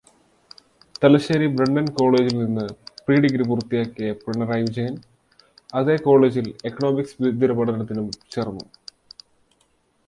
Thalassery Brennen കോളേജിൽ നിന്ന് pre degree പൂർത്തിയാക്കിയ പിണറായി വിജയൻ, അതേ കോളേജിൽ എക്കണോമിക്സ് ബിരുദപഠനത്തിനും ചേര്ന്നു